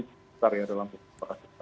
setidaknya dalam proses selek